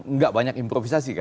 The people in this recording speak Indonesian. enggak banyak improvisasi kan